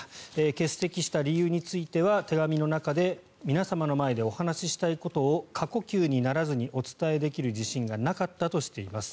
欠席した理由については手紙の中で皆様の前でお話ししたいことを過呼吸にならずにお伝えできる自信がなかったとしています。